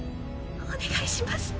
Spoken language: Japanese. お願いします